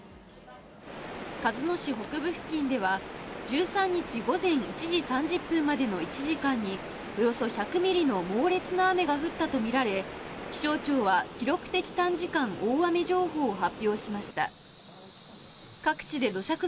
鹿角市北部付近では、１３日午前１時３０分までの１時間に、およそ１００ミリの猛烈な雨が降ったと見られ、気象庁は記録的短時間大雨情報を発表しました。